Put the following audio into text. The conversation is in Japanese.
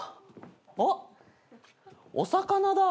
あっお魚だ。